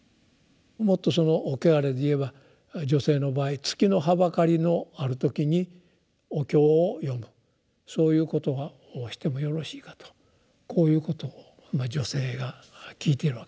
もっとその穢れでいえば女性の場合「月のはばかりのあるときにお経を読むそういうことをしてもよろしいか？」とこういうことを女性が聞いているわけですね。